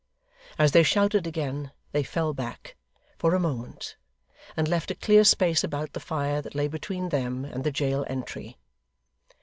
As they shouted again, they fell back, for a moment, and left a clear space about the fire that lay between them and the jail entry.